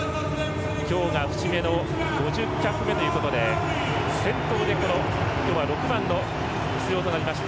今日が節目の５０キャップ目ということで先頭で今日は６番の出場となりました